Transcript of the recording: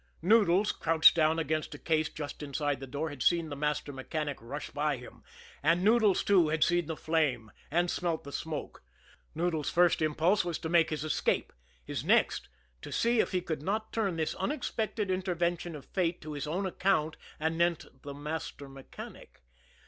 Noodles, crouched down against a case just inside the door, had seen the master mechanic rush by him; and Noodles, too, had seen the flame and smelt the smoke. Noodles' first impulse was to make his escape, his next to see if he could not turn this unexpected intervention of fate to his own account anent the master mechanic.